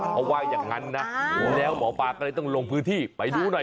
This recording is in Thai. เขาว่าอย่างนั้นนะแล้วหมอปลาก็เลยต้องลงพื้นที่ไปดูหน่อย